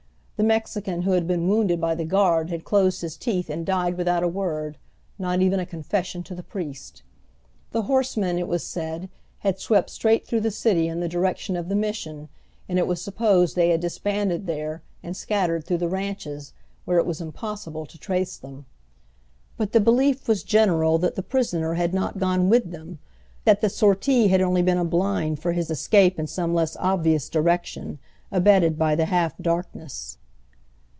The Mexican who had been wounded by the guard had closed his teeth and died without a word, not even a confession to the priest. The horsemen, it was said, had swept straight through the city in the direction of the Mission, and it was supposed they had disbanded there and scattered through the ranches, where it was impossible to trace them. But the belief was general that the prisoner had not gone with them, that the sortie had only been a blind for his escape in some less obvious direction, abetted by the half darkness.